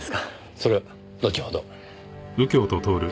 それはのちほど。